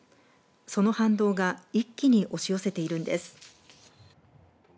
その反動が一気に押し寄せているんです。